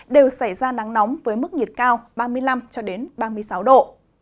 đều xảy ra nắng nóng với mức nhiệt cao ba mươi năm ba mươi sáu độ